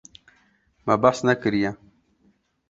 Me behs nekiriye.